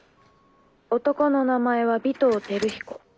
男の名前は尾藤輝彦。